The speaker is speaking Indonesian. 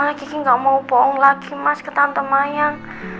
soalnya kiki gak mau bohong lagi mas ke tante mayang